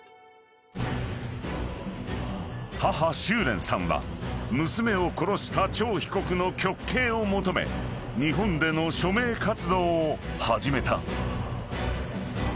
［母秋蓮さんは娘を殺した張被告の極刑を求め日本での署名活動を始めた］